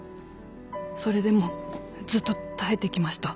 それでもずっと耐えてきました。